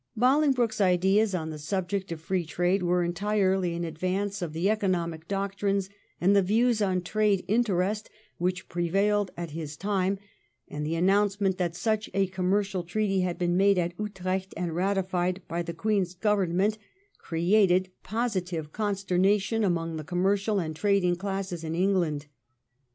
Bolingbroke's ideas on the subject of Free Trade were entirely in advance of the economic doctrines and the views on trade interest which prevailed at his time, and the announcement that such a commercial treaty had been made at Utrecht and ratified by the Queen's Government created positive consternation among the commercial and trading classes in England.